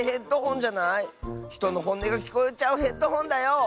ひとのほんねがきこえちゃうヘッドホンだよ！